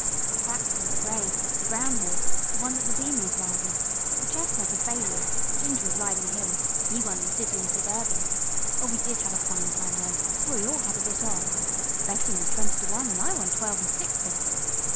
"That's Silver Braid, the brown horse, the one that the Demon is riding; the chestnut is Bayleaf, Ginger is riding him: he won the City and Suburban. Oh, we did have a fine time then, for we all had a bit on. The betting was twenty to one, and I won twelve and six pence.